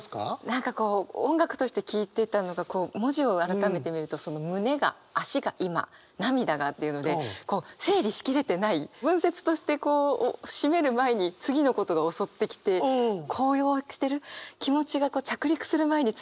何かこう音楽として聴いてたのがこう文字を改めて見るとその「胸が」「足が今」「涙が」っていうのでこう整理し切れてない文節として締める前に次のことが襲ってきて高揚してる。